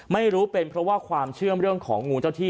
ไม่รู้เป็นเพราะว่าความเชื่อมเรื่องของงูเจ้าที่